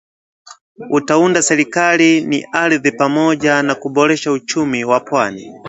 utaunda serikali ni ardhi pamoja na kuboresha uchumi wa pwani